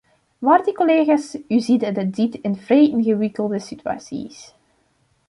Waarde collega's, u ziet dat dit een vrij ingewikkelde situatie is.